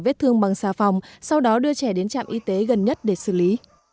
vết thương bằng xà phòng sau đó đưa trẻ đến trạm y tế gần nhất để xử lý